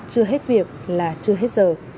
chưa hết việc là chưa hết giờ